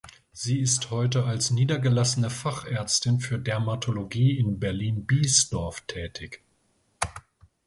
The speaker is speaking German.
Sie ist heute als niedergelassene Fachärztin für Dermatologie in Berlin-Biesdorf tätig.